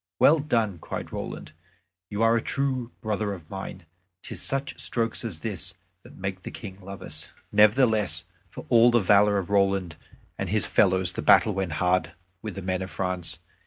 "Well done!" cried Roland; "you are a true brother of mine. 'Tis such strokes as this that make the King love us." Nevertheless, for all the valor of Roland and his fellows the battle went hard with the men of France.